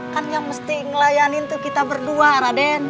kan yang mesti ngelayanin tuh kita berdua raden